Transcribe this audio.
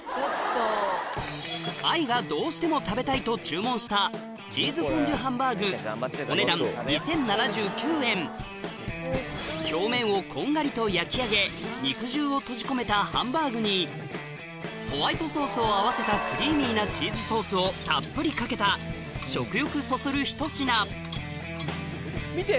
愛がどうしても食べたいと注文したチーズフォンデュハンバーグ表面をこんがりと焼き上げ肉汁を閉じ込めたハンバーグにホワイトソースを合わせたクリーミーなチーズソースをたっぷりかけた食欲そそるひと品見て。